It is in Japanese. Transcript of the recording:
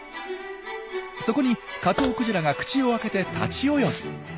そこにカツオクジラが口を開けて立ち泳ぎ！